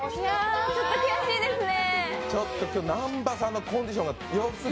ちょっと悔しいですね。